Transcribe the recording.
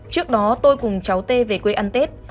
trước đó tôi cùng cháu tê về quê ăn tết